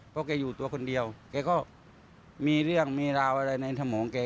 เพราะแกอยู่ตัวคนเดียวแกก็มีเรื่องมีราวอะไรในสมองแก